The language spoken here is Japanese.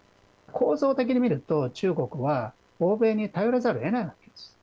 構造的に見ると中国は欧米に頼らざるをえないわけです。